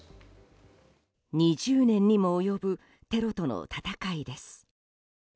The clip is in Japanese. ２０年にも及ぶテロとの戦いです。